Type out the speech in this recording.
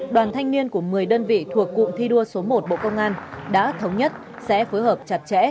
đoàn thanh niên của một mươi đơn vị thuộc cụm thi đua số một bộ công an đã thống nhất sẽ phối hợp chặt chẽ